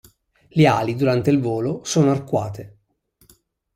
Le ali durante il volo sono arcuate.